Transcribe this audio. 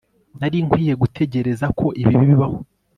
nari nkwiye gutegereza ko ibi bibaho